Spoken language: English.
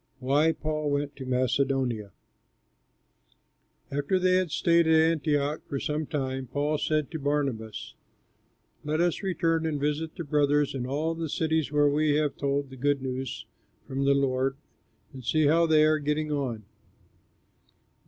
WHY PAUL WENT TO MACEDONIA After they had stayed at Antioch for some time, Paul said to Barnabas, "Let us return and visit the brothers in all the cities where we have told the good news from the Lord, and see how they are getting on."